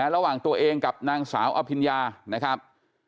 ระหว่างตัวเองกับนางสาวอภิญญานะครับ